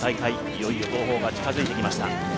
いよいよ号砲が近づいてきました。